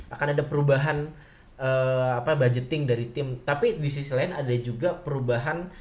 akan ada perubahan budgeting dari tim tapi disisilain ada juga perubahan